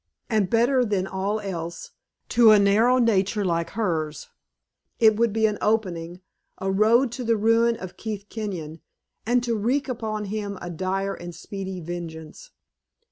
And better than all else to a narrow nature like hers it would be opening a road to the ruin of Keith Kenyon, and to wreak upon him a dire and speedy vengeance.